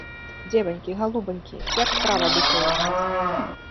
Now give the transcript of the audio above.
Дзеванькі, галубанькі, як справа дыхае ў вас?